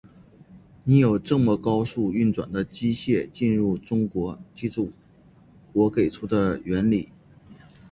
你有这么高速运转的机械进入中国，记住我给出的原理。